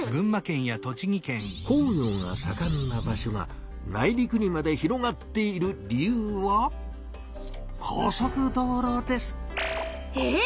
工業がさかんな場所が内陸にまで広がっている理由はえっ